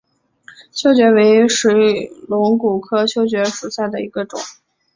修蕨为水龙骨科修蕨属下的一个种。